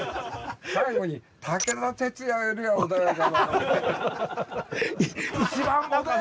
最後に武田鉄矢よりは穏やかだろ？